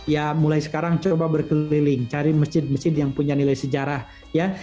ya mulai sekarang coba berkeliling cari masjid masjid yang punya nilai sejarah ya